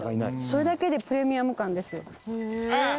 それだけでプレミアム感ですよ。